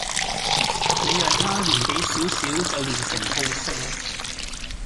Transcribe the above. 你讓他年紀小小就練成好勝